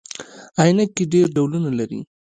عینکي ډیر ډولونه لري